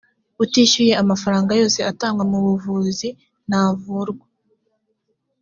utishyuye amafaranga yose atangwa mu buvuzi ntavurwa